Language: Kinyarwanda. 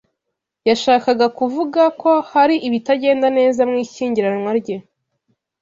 [S] Yashakaga kuvuga ko hari ibitagenda neza mu ishyingiranwa rye.